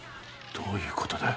どういうことだよ